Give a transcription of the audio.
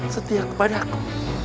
setia kepada aku